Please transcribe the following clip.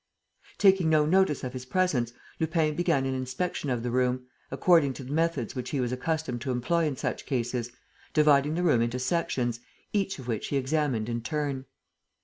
Taking no notice of his presence, Lupin began an inspection of the room, according to the methods which he was accustomed to employ in such cases, dividing the room into sections, each of which he examined in turn.